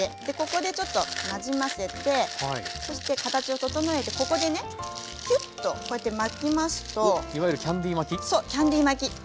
でここでちょっとなじませてそして形を整えてここでねきゅっとこうやって巻きますと。いわゆるキャンディー巻き？